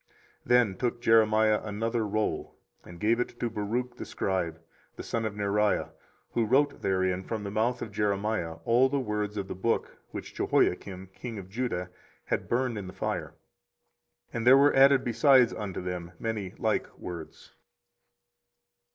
24:036:032 Then took Jeremiah another roll, and gave it to Baruch the scribe, the son of Neriah; who wrote therein from the mouth of Jeremiah all the words of the book which Jehoiakim king of Judah had burned in the fire: and there were added besides unto them many like words.